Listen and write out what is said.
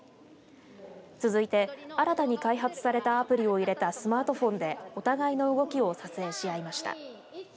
続いて、新たに開発されたアプリを入れたスマートフォンでお互いの動きを撮影し合いました。